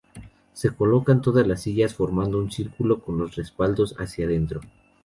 Se colocan todas las sillas formando un círculo con los respaldos hacia dentro.